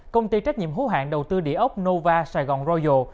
công ty trách nhiệm hữu hạn đầu tư địa ốc nova saigon royal